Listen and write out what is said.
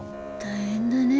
大変だね